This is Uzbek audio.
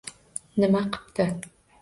Nima qipti?